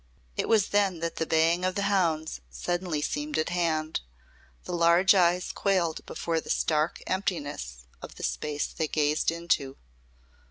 It was then that the baying of the hounds suddenly seemed at hand. The large eyes quailed before the stark emptiness of the space they gazed into.